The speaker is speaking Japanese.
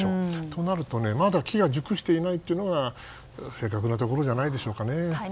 となると、まだ機が熟していないというのが正確なところじゃないでしょうかね。